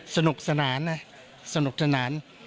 สนุกสนานนะสนุกสนาน